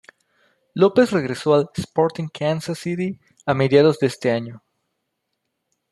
Lopez regresó al Sporting Kansas City a mediados de ese año.